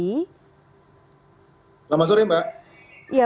selamat sore mbak